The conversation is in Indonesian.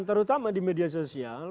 terutama di media sosial